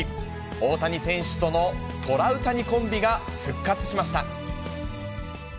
大谷選手とのトラウタニコンビが復活しました。